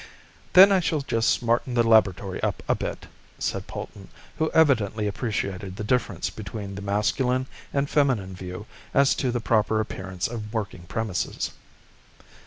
"Then I shall just smarten the laboratory up a bit," said Polton, who evidently appreciated the difference between the masculine and feminine view as to the proper appearance of working premises.